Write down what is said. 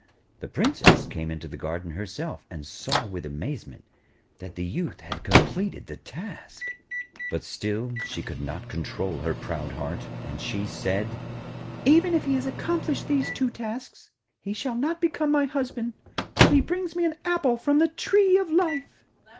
The Princess came into the garden herself, and saw with amazement that the Youth had completed the task. But still she could not control her proud heart, and she said: 'Even if he has accomplished these two tasks, he shall not become my husband till he brings me an apple from the tree of life.'